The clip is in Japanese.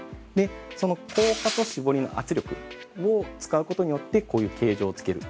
その硬化と絞りの圧力を使うことによって、こういう形状をつける。